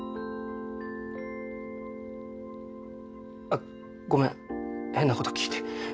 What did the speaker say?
あっごめん変なこと聞いて。